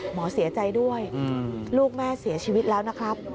หมอเสียใจด้วยลูกแม่เสียชีวิตแล้วนะครับ